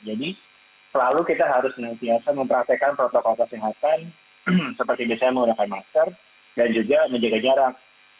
jadi selalu kita harus menghiasan mempraktekan protokol kesehatan seperti biasanya menggunakan masker dan juga menjaga jarak